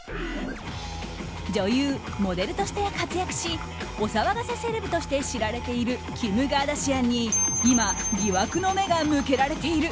女優、モデルとして活躍しお騒がせセレブとして知られているキム・カーダシアンに今、疑惑の目が向けられている。